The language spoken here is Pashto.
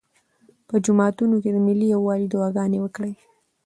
په جوماتونو کې د ملي یووالي دعاګانې وکړئ.